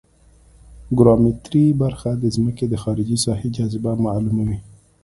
ګراومتري برخه د ځمکې د خارجي ساحې جاذبه معلوموي